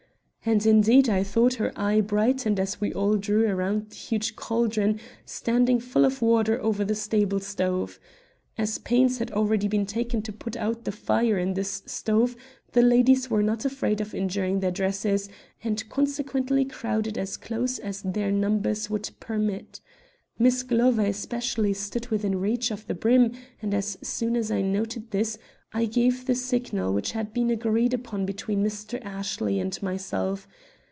And indeed I thought her eye brightened as we all drew up around the huge caldron standing full of water over the stable stove. As pains had already been taken to put out the fire in this stove, the ladies were not afraid of injuring their dresses and consequently crowded as close as their numbers would permit. Miss Glover especially stood within reach of the brim, and as soon as I noted this, I gave the signal which had been agreed upon between Mr. Ashley and myself.